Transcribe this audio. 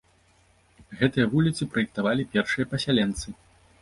Гэтыя вуліцы праектавалі першыя пасяленцы.